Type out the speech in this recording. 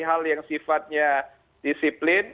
hal yang sifatnya disiplin